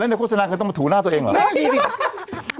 แล้วในโขวร์ดสนักคือต้องมาถูหน้าตัวเองเหรอ